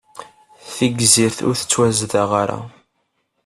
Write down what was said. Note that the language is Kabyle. Tigzirt ur tettwazdeɣ ara.